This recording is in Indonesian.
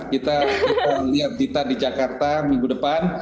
kita lihat dita di jakarta minggu depan